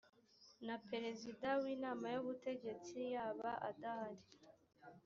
na perezida w inama y ubutegetsi yaba adahari